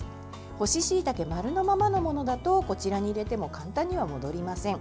干ししいたけ丸のままのものだとこちらに入れても簡単には戻りません。